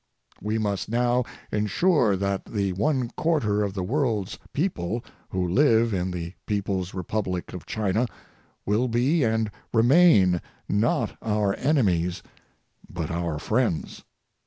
We must now ensure that the one quarter of the world's people who live in the People's Republic of China will be and remain not our enemies but our friends.